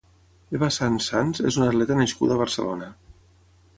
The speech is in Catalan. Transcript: Eva Sanz Sanz és una atleta nascuda a Barcelona.